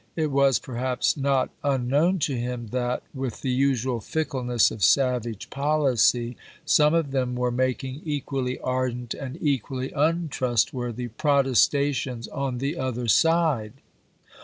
It was, perhaps, not unknown to him that, with the usual fickleness of savage policy, some of them were making equally ardent and equally untrustworthy protestations on the other side.